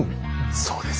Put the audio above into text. そうです。